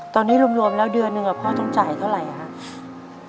ตอนนี้รวมแล้วเดือนหนึ่งพ่อต้องจ่ายเท่าไหร่ครับ